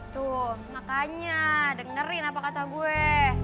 tuh makanya dengerin apa kata gue